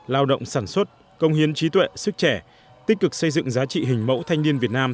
lao động sản xuất công hiến trí tuệ sức trẻ tích cực xây dựng giá trị hình mẫu thanh niên việt nam